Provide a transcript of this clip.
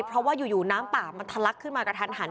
เพราะว่าอยู่น้ำป่ามันทะลักขึ้นมากระทันหัน